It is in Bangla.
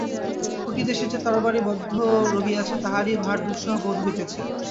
কটিদেশে যে তরবারি বদ্ধ রহিয়াছে, তাহারই ভার দুঃসহ বোধ হইতেছে।